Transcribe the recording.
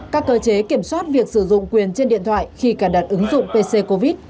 các cơ chế kiểm soát việc sử dụng quyền trên điện thoại khi cài đặt ứng dụng pc covid